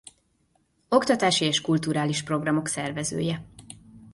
Oktatási és kulturális programok szervezője.